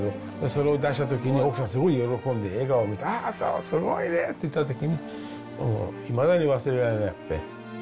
それを出したときに、奥さんすごい喜んで、笑顔になって、ああ、そう、すごいねって言っちゃって、本当、いまだに忘れられなくて。